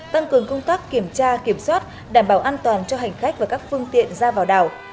tăng cường công tác kiểm tra kiểm soát đảm bảo an toàn cho hành khách và các phương tiện ra vào đảo